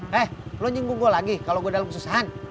heeh lo nyinggung gue lagi kalau gue dalam kesusahan